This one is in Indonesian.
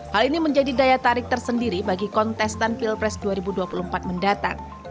hal ini menjadi daya tarik tersendiri bagi kontestan pilpres dua ribu dua puluh empat mendatang